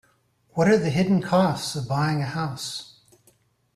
What are the hidden costs of buying a house?